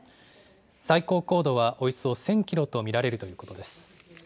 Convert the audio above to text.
最高高度はおよそ１０００キロと見られるということです。